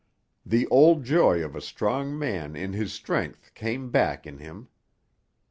The old joy of a strong man in his strength came back in him.